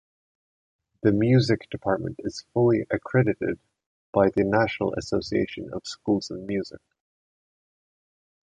The Music Department is fully accredited by the National Association of Schools of Music.